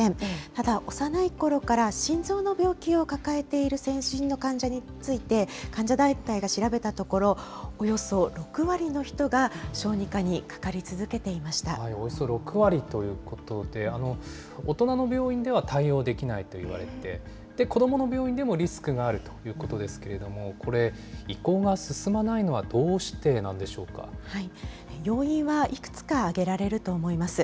ただ、幼いころから心臓の病気を抱えている成人の患者について患者団体が調べたところ、およそ６割の人が小児科にかかり続けていおよそ６割ということで、大人の病院では対応できないといわれて、子どもの病院でもリスクがあるということですけれども、これ、移行が進まないのはどうして要因はいくつか挙げられると思います。